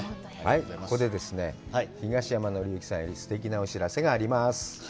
ここでですね、東山紀之さんよりすてきなお知らせがあります。